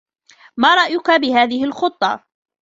مارأيك بهذه الخطة؟